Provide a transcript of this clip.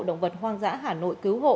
động vật hoang dã hà nội cứu hộ